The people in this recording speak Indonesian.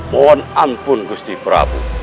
mohon ampun gusti prabu